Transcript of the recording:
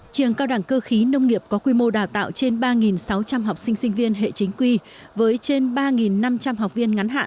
trường cao đẳng cơ khí nông nghiệp có quy mô đào tạo trên ba sáu trăm linh học sinh sinh viên hệ chính quy với trên ba năm trăm linh học viên ngắn hạn